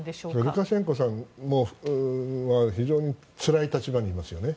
ルカシェンコさんは非常につらい立場にいますよね。